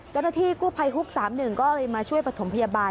จนที่กุภัยฮุก๓๑ก็เลยมาช่วยปฐมพยาบาล